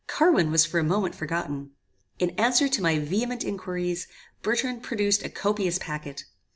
Carwin was for a moment forgotten. In answer to my vehement inquiries, Bertrand produced a copious packet.